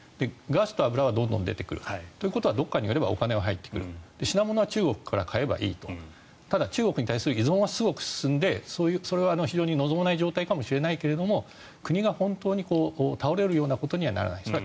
ガスと油はどんどん出てくるということはお金は入ってくる品物は中国から買えばいいただ、中国に対する依存はすごく進んでそれは望まない状態かもしれないけど国が本当に倒れるようなことにはならない。